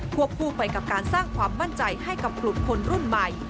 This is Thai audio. คู่ไปกับการสร้างความมั่นใจให้กับกลุ่มคนรุ่นใหม่